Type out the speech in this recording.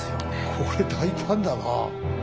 これ大胆だなあ。